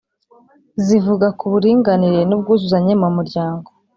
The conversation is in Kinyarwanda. zivuga ku buringanire n’ubwuzuzanye mu muryango,